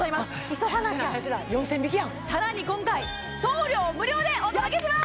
急がなきゃ４０００円引きやんさらに今回送料無料でお届けします